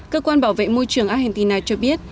cơ quan bảo vệ môi trường argentina cho biết